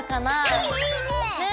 いいねいいね。ね！